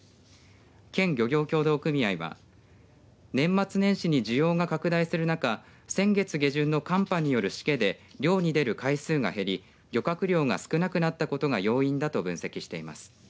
県漁業協同組合は年末年始に需要が拡大する中先月下旬の寒波によるしけで漁に出る回数が減り漁獲量が少なくなったことが要因だと分析しています。